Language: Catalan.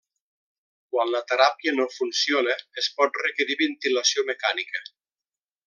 Quan la teràpia no funciona, es pot requerir ventilació mecànica.